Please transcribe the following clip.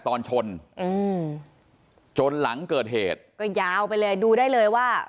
ตอนชนอืมจนหลังเกิดเหตุก็ยาวไปเลยดูได้เลยว่า